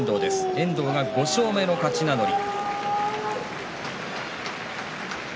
遠藤が５勝目の勝ち名乗り。